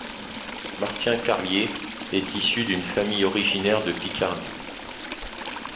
Martin Carlier est issu d'une famille originaire de Picardie.